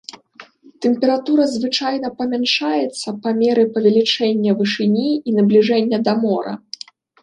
Тэмпература звычайна памяншаецца па меры павелічэння вышыні і набліжэння да мора.